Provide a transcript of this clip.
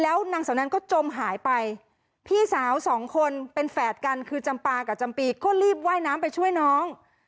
แล้วนางสาวนั้นก็จมหายไปพี่สาวสองคนเป็นแฝดกันคือจำปากับจำปีก็รีบว่ายน้ำไปช่วยน้อง